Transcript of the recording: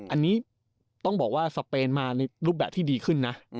อันนี้ต้องบอกว่าสเปนมาในรูปแบบที่ดีขึ้นนะ